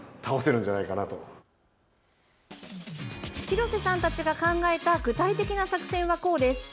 廣瀬さんたちが考えた具体的な作戦はこうです。